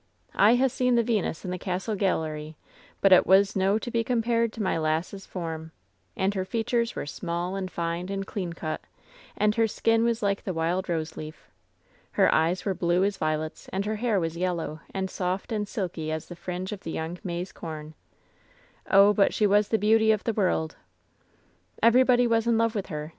"I ha'e seen the Venus in the castle gallery, but it was no to be compared to my lass' form. And her fea tures were small and fine and clean cut, and her skin was like the wild rose leaf. Her eyes were blue as violets, and her hair was yellow and soft and silky as the fringe of the young maize com. "Oh, but she was the beauty of the world 1 "Everybody was in love with her.